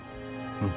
うん。